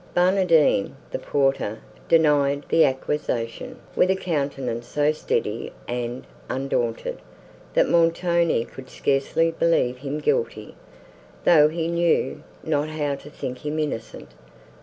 Barnardine, the porter, denied the accusation with a countenance so steady and undaunted, that Montoni could scarcely believe him guilty, though he knew not how to think him innocent.